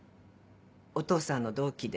お父さんの同期で。